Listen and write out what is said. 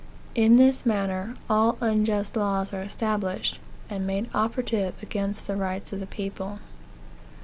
In this manner all unjust laws are established, and made operative against the rights of the people.